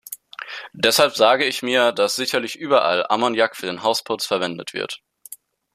Deshalb sage ich mir, dass sicherlich überall Ammoniak für den Hausputz verwendet wird.